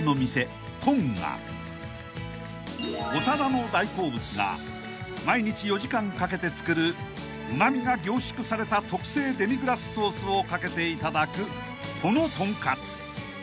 ［長田の大好物が毎日４時間かけて作るうま味が凝縮された特製デミグラスソースをかけていただくこのとんかつ］